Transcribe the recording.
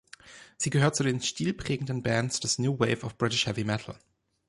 Sie gehört zu den stilprägenden Bands des New Wave of British Heavy Metal.